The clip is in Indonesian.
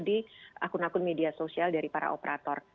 di akun akun media sosial dari para operator